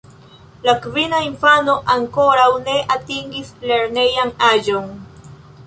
La kvina infano ankoraŭ ne atingis lernejan aĝon.